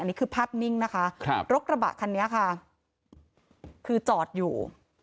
นี่คือภาพนิ่งนะคะครับรถกระบะคันนี้ค่ะคือจอดอยู่